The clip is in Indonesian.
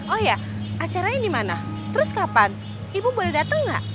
oh ya acaranya dimana terus kapan ibu boleh dateng gak